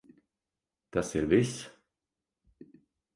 Tas ir viss?